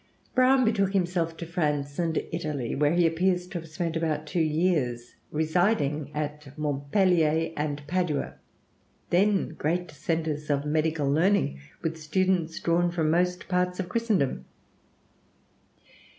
Browne betook himself to France and Italy, where he appears to have spent about two years, residing at Montpellier and Padua, then great centres of medical learning, with students drawn from most parts of Christendom.